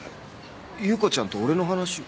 優子ちゃんと俺の話を？